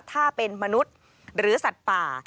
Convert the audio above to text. ถ้าเป็นมนุษย์หรือสัตว์ป่า